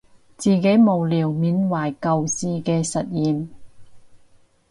自己無聊緬懷舊時嘅實驗